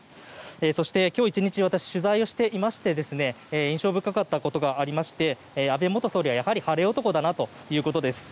そして、今日１日私が取材をしていまして印象深かったことがありまして安倍元総理はやはり晴れ男だなということです。